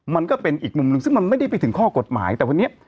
มันก็เป็นอีกมุมหนึ่งซึ่งมันไม่ได้ไปถึงข้อกฎหมายแต่วันนี้